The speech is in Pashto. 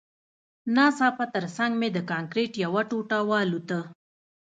ناڅاپه ترڅنګ مې د کانکریټ یوه ټوټه والوته